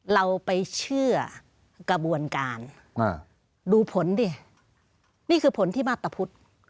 เราไปเชื่อกระบวนการดูผลดินี่คือผลที่มาพตะพุทธ